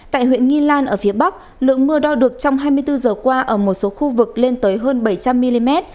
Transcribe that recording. tại huyện nghi lan ở phía bắc lượng mưa đo được trong hai mươi bốn giờ qua ở một số khu vực lên tới hơn bảy trăm linh mm